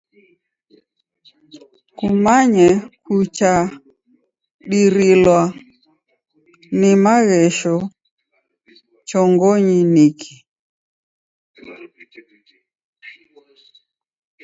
Kumanye kuchandirilwa ni maghesho chongonyi niki.